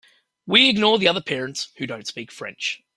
We ignore the other parents who don’t speak French.